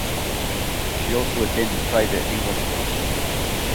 She also attended private English classes.